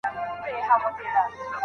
هغوی به له نویو ښو کسانو سره دوستي وکړي.